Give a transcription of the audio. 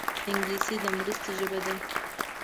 انګلیسي د مرستې ژبه ده